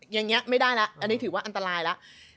อย่างนี้ไม่ได้แล้วอันนี้ถือว่าอันตรายแล้ว